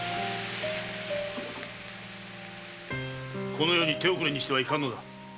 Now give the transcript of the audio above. このように手遅れにしてはいかんのだ。